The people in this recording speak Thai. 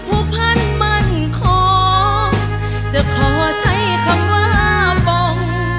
เพื่อนผู้พันมั่นของจะขอใช้คำว่าปง